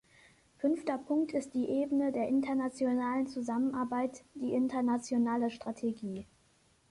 Fünfter Punkt ist die Ebene der internationalen Zusammenarbeit, die internationale Strategie.